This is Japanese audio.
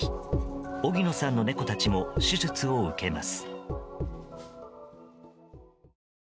荻野さんの猫たちも手術を受けます。